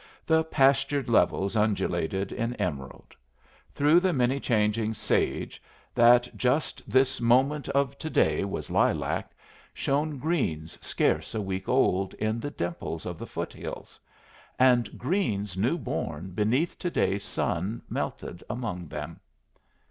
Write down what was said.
The pastured levels undulated in emerald. Through the many changing sage, that just this moment of to day was lilac, shone greens scarce a week old in the dimples of the foot hills; and greens new born beneath today's sun melted among them.